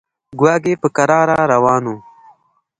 کواګې په کراره روان و.